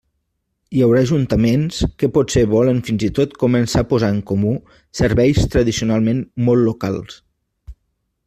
Hi haurà ajuntaments que potser volen fins i tot començar a posar en comú serveis tradicionalment molt locals.